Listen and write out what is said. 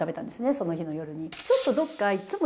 その日の夜に。